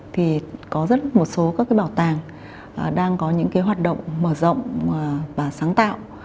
thì có rất một số các bảo tàng đang có những hoạt động mở rộng và sáng tạo